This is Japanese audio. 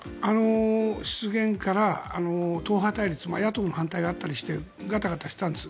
失言から党派対立野党の反対があったりしてガタガタしていたんです。